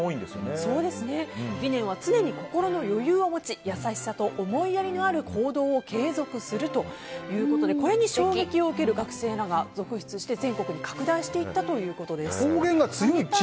理念は常に心の余裕を持ち優しさと思いやりのある行動を継続するということでこれに衝撃を受ける学生らが続出して全国に拡大していったということです。